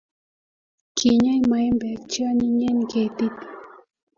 Kinyei maembek che anyinyen ketit